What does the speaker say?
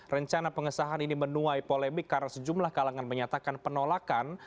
rencana pengesahan ini menuai polemik karena sejumlah kalangan menyatakan penolakan